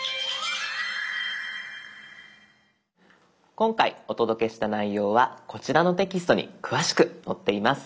今回お届けした内容はこちらのテキストに詳しく載っています。